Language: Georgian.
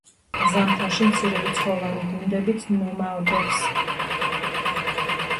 ზამთარში მცირერიცხოვანი გუნდებით ნომადობს.